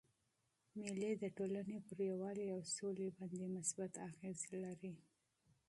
مېلې د ټولني پر یووالي او سولي باندي مثبت اغېز لري.